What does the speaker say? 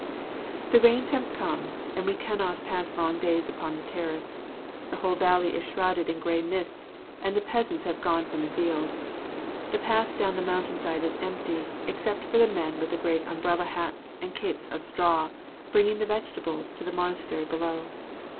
The rains have come and we cannot pass long days upon the terrace. The whole valley is shrouded in grey mists and the peasants have gone from the fields. The path down the mountain side is empty, except for the men with the great umbrella hats and capes of straw, bringing the vegetables to the monastery below.